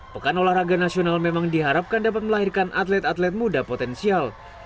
pekan olahraga nasional memang diharapkan dapat melahirkan atlet atlet muda potensial